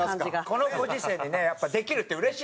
このご時世でねやっぱできるって嬉しいですから。